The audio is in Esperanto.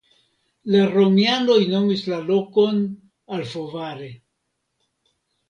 La romianoj nomis la lokon Alfovare.